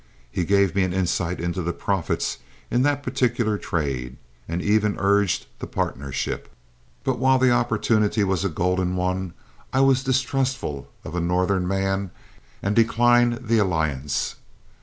He gave me an insight into the profits in that particular trade, and even urged the partnership, but while the opportunity was a golden one, I was distrustful of a Northern man and declined the alliance.